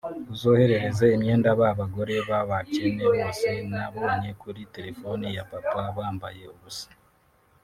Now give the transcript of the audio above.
uzoherereze imyenda ba bagore b’abakene bose nabonye kuri telefoni ya papa bambaye ubusa